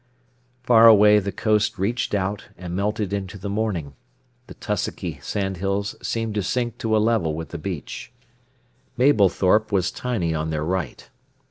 Far away the coast reached out, and melted into the morning, the tussocky sandhills seemed to sink to a level with the beach. Mablethorpe was tiny on their right.